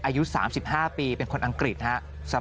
อายุ๓๕ปีเป็นคนอังกฤษครับ